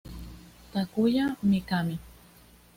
Takuya Mikami